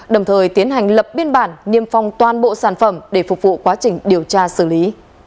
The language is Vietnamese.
đồng thời tiến hành lập biên bản niêm phong toàn bộ sản phẩm để phục vụ quá trình điều tra xử lý